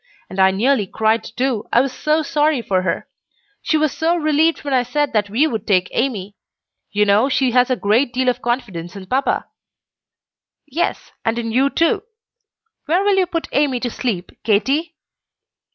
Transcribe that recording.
And I nearly cried too, I was so sorry for her. She was so relieved when I said that we would take Amy. You know she has a great deal of confidence in papa." "Yes, and in you too. Where will you put Amy to sleep, Katy?"